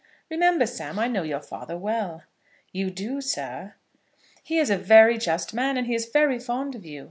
Remember, Sam, I know your father well." "You do, sir." "He is a very just man, and he is very fond of you.